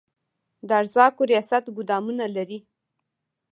د ارزاقو ریاست ګدامونه لري؟